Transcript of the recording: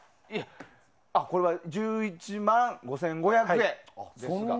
これは１１万５５００円ですが。